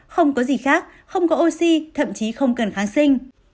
không có gì khác không có oxy thậm chí không cần kháng sinh